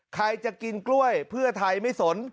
ใครจะกินกล้วยเพื่อไทยไม่สน